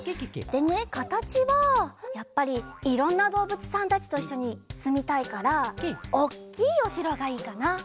でねかたちはやっぱりいろんなどうぶつさんたちといっしょにすみたいからおっきいおしろがいいかな。